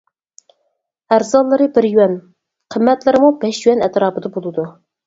ئەرزانلىرى بىر يۈەن، قىممەتلىرىمۇ بەش يۈەن ئەتراپىدا بولىدۇ.